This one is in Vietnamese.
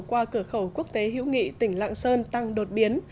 qua cửa khẩu quốc tế hữu nghị tỉnh lạng sơn tăng đột biến